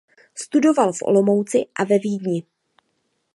Studoval v Olomouci a ve Vídni.